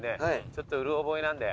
ちょっとうろ覚えなんで。